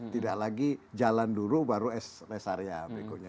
tidak lagi jalan dulu baru rest area berikutnya